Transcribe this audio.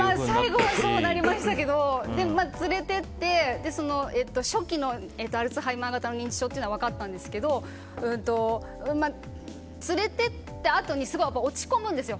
最後はそうなりましたけど連れてって初期のアルツハイマー型の認知症というのは分かったんですけど連れていったあとにすごい落ち込むんですよ